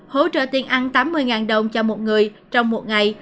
hỗ trợ tiền ăn tám mươi đồng cho một người trong một ngày